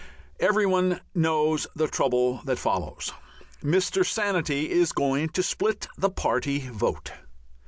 Every one knows the trouble that follows. Mr. Sanity is "going to split the party vote."